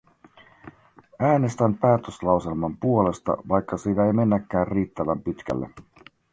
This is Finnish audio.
Äänestän päätöslauselman puolesta, vaikka siinä ei mennäkään riittävän pitkälle.